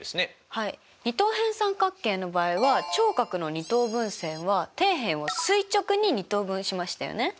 はい二等辺三角形の場合は頂角の二等分線は底辺を垂直に２等分しましたよね。